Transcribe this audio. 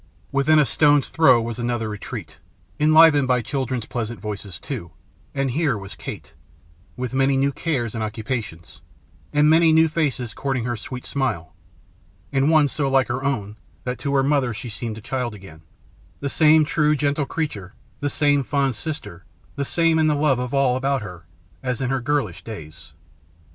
Within a stone's throw was another retreat, enlivened by children's pleasant voices too; and here was Kate, with many new cares and occupations, and many new faces courting her sweet smile (and one so like her own, that to her mother she seemed a child again), the same true gentle creature, the same fond sister, the same in the love of all about her, as in her girlish days.